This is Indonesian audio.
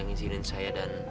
ibu mau kan